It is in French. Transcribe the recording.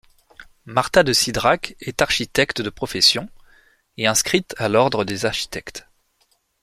Marta de Cidrac est architecte de profession et inscrite à l’ordre des architectes.